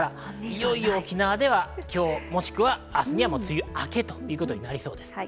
いよいよ沖縄では今日、もしくは明日には梅雨明けということになりそうです。